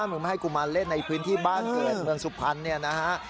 มึงไม่ให้กูมาเล่นในพื้นที่บ้านเกิดเมืองสุพรรณเนี่ยนะฮะ